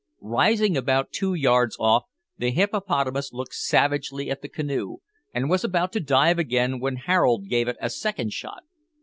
Rising about two yards off, the hippopotamus looked savagely at the canoe, and was about to dive again when Harold gave it a second shot.